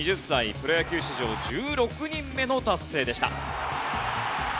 プロ野球史上１６人目の達成でした。